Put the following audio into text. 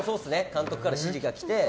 監督から指示が来て。